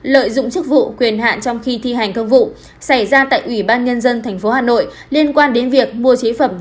lợi dụng chức vụ quyền hạn trong khi thi hành công vụ xảy ra tại ủy ban nhân dân tp hà nội liên quan đến việc mua chế phẩm